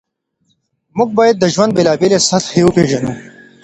موږ باید د ژوند بېلابېلې سطحې وپېژنو.